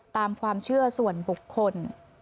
ตามความเชื่อส่วนบุคคล